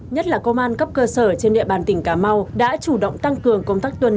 nhất là công an cấp cơ sở trên địa bàn tỉnh cà mau đã chủ động tăng cường công tác tuần